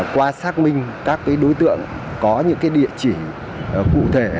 qua xác minh các đối tượng có những địa chỉ cụ thể